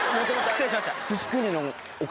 失礼しました。